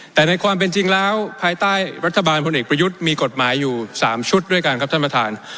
แต่ในความเป็นจริงแล้วภายใต้รัฐบาลพลเอกประยุทธ์มีกฎหมายอยู่๓ชุดด้วยกันครับท่านประธาน